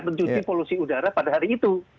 mencuci polusi udara pada hari itu